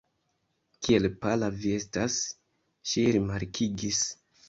Kiel pala vi estas, ŝi rimarkigis.